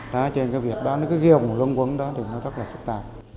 đó cho nên cái việc đó nó cứ ghiêu một luân quấn đó thì nó rất là phức tạp